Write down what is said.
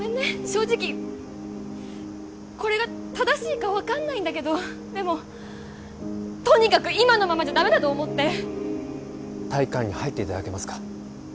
正直これが正しいか分かんないんだけどでもとにかく今のままじゃダメだと思って体育館に入っていただけますか？